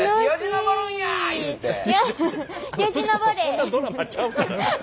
そんなドラマちゃうから。